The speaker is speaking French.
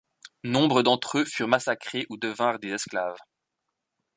Nombre d'entre aux furent massacrés ou devinrent des esclaves.